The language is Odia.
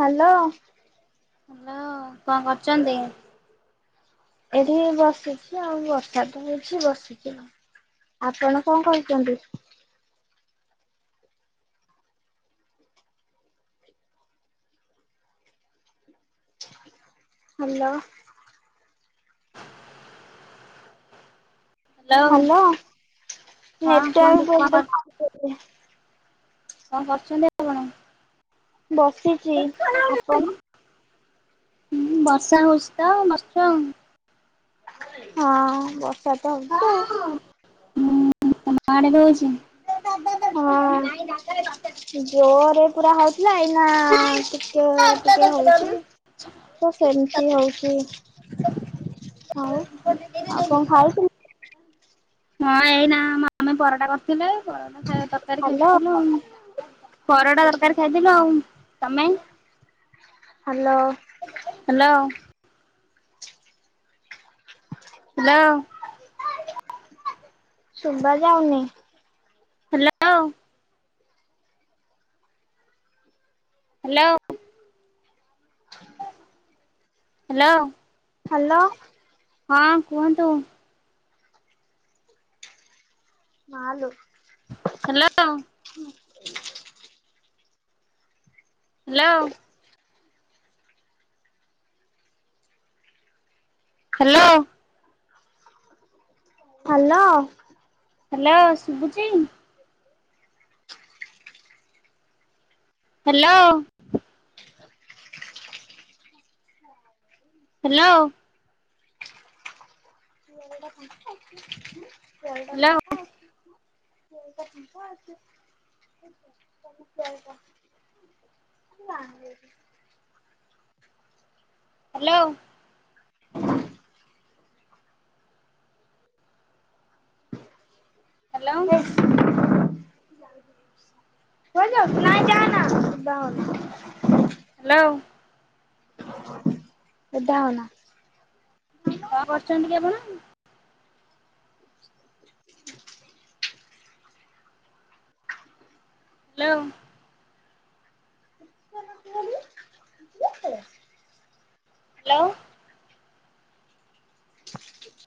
ହ୍ୟାଲୋ। ହାଲୋ କଣ କରୁଛନ୍ତି? ଏଠି ବସିଛି ଆଉ ବର୍ଷାତ ହୋଉଛି ବସିଛି ଆଉ। ଆପଣ କଣ କରୁଛନ୍ତି? ହାଲୋ। ହ୍ୟାଲୋ ହଁ କୁହନ୍ତୁ ନେଟୱାର୍କ କଣ କର ପ୍ରୋବଲେମ୍ ଆସୁଛି। କଣ କରୁଛନ୍ତି ଆପଣ? ବସିଛି। ଆପଣ? ହୁଁ ବର୍ଷା ହୋଉଛି ତ ବସିଛୁ ଆଉ। ହଁ ବର୍ଷା ତ ହୋଉଛି ଆଉ। ହୁଁ ତମ ଆଡେ ବି ହୋଉଛି? ହଁ। ଜୋରରେ ପୁରା ହୋଉଥିଲା ଏଇନା ଟିକେ ଟିକେ ହୋଉଛି। ତ ସେମିତି ହୋଉଛି। ଆଉ ଆଉ କଣ ଖାଇଥିଲ? ହଁ ଏଇନା ଆ ମମି ପରଟା କରିଥିଲେ ପରଟା ତରକାରୀ ହ୍ୟାଲୋ ଖାଇଥିଲୁ। ପରଟା ତରକାରି ଖାଇଥିଲୁ ଆଉ। ତମେ? ହ୍ୟାଲୋ। ହ୍ୟାଲୋ। ହ୍ୟାଲୋ। ଶୁବା ଯାଉନି। ହ୍ୟାଲୋ। ହ୍ୟାଲୋ। ହ ହ୍ୟାଲୋ। ହ୍ୟାଲୋ। ହଁ କୁହନ୍ତୁ। ମାଲୋ। ହ୍ୟାଲୋ। ହୁ [inaudible] ହ୍ୟାଲୋ। ହ୍ୟାଲୋ। ହ୍ୟାଲୋ। ହ୍ୟାଲୋ ଶୁଭୁଚି? ହ୍ୟାଲୋ। ହ୍ୟାଲୋ। ଗରାଟା ଫଙ୍କା ଅଛି। ବଲଟା ହ୍ୟାଲୋ ଫଙ୍କା ଅଛି। [unintelligible] ଫାଙ୍କା ଅଛି। [unintelligible] ନାହିଁ। ହ୍ୟାଲୋ। [inaudible] [unintelligible] [inaudible] ହ୍ୟାଲୋ କୁଆଡେ ଯାଉଛୁ? ନାଇ ଯାନା। ହ୍ୟାଲୋ। ଓଦା ହୋନା। କଣ କରୁଛନ୍ତି କି ଆପଣ? [inaudible] ହ୍ୟାଲୋ। [unintelligible] ହ୍ୟାଲୋ। [inaudible]